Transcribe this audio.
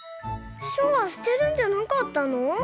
書は捨てるんじゃなかったの？